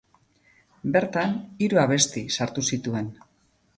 Bertan, hiru abesti sartu zituen.